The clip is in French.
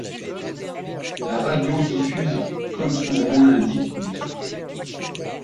La radio diffuse comme son nom l'indique du zouk.